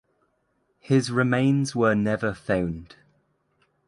His remains were never found.